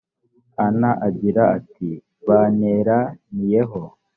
anna agira ati “banteraniyeho”